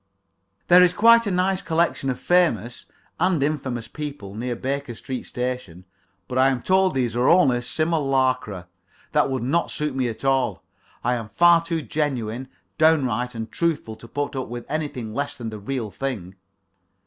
There is quite a nice collection of famous and infamous people near Baker Street Station, but I am told these are only simulacra. That would not suit me at all. I am far too genuine, downright, and truthful to put up with anything less than the real thing.